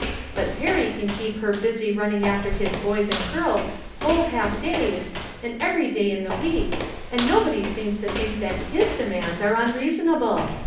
But Perry can keep her busy running after his boys and girls whole half days, and e^ery day in the week, and nobody seems to think that Ids de mands are unreasonable.